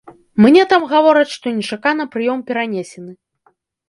Мне там гавораць, што нечакана прыём перанесены.